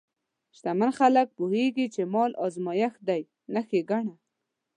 شتمن خلک پوهېږي چې مال ازمېښت دی، نه ښېګڼه.